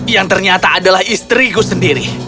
yang ternyata adalah istriku sendiri